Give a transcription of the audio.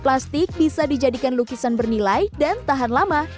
plastik bisa dijadikan lukisan bernilai dan tahan lama